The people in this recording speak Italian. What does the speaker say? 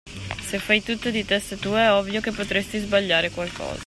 Se fai tutto di testa tua, è ovvio che potresti sbagliare qualcosa.